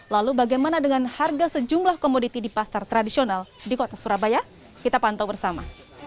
lalu bagaimana dengan harga sejumlah komoditi di pasar tradisional di kota surabaya kita pantau bersama